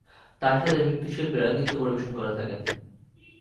তার সাথে নৃত্যশিল্পীরা নৃত্য পরিবেশন করে থাকেন।